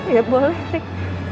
ya boleh rik